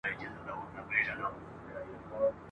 پر خپل ځان باندي پرهېز یې وو تپلی !.